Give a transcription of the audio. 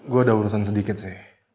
gue udah urusan sedikit sih